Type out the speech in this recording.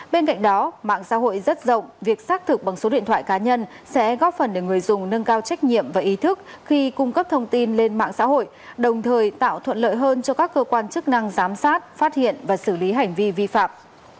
bên cạnh đó mạng xã hội rất rộng việc xác thực bằng số điện thoại cá nhân sẽ góp phần để người dùng nâng cao trách nhiệm và ý thức khi cung cấp thông tin lên mạng xã hội đồng thời tạo thuận lợi hơn cho các cơ quan chức năng giám sát phát hiện và xử lý hành vi vi phạm